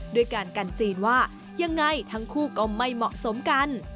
ด้วยการกันจีนว่ายังไงทั้งคู่ก็ไม่เหมาะสมกัน